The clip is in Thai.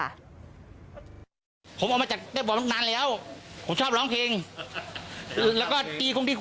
นี่เพิ่งแจ้งเห็นแหล้วหน้าเกลียด